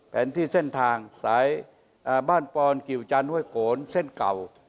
แผนที่เส้นทางสายบ้านปอนกิวจันท้วยโกนเส้นเก่า